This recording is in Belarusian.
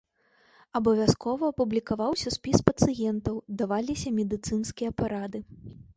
Абавязкова публікаваўся спіс пацыентаў, даваліся медыцынскія парады.